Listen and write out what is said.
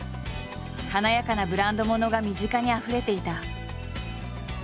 華やかなブランドものが身近にあふれていた。